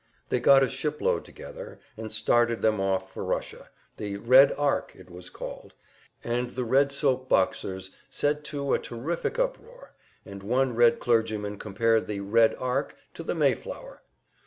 They got a shipload together and started them off for Russia the "Red Ark" it was called, and the Red soap boxers set tip a terrific uproar, and one Red clergyman compared the "Red Ark" to the Mayflower!